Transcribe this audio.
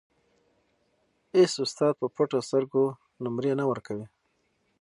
اېڅ استاد په پټو سترګو نومرې نه ورکوي.